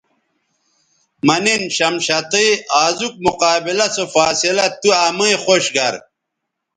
مہ نِن شمشتئ آزوک مقابلہ سو فاصلہ تو امئ خوش گر